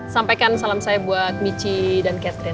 sampaikan salam saya buat mitchi dan catherine